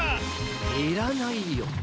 いらないよ。